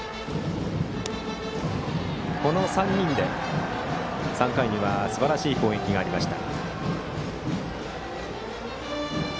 この３人で３回にはすばらしい攻撃がありました。